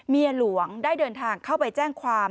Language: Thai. เมียหลวงได้เดินทางเข้าไปแจ้งความ